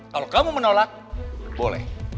kalau kamu menolak boleh